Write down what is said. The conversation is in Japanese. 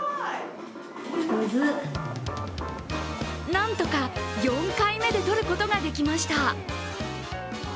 なんとか４回目で取ることができました。